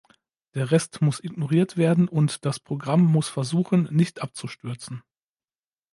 Der Rest muss ignoriert werden und das Programm muss versuchen, nicht abzustürzen.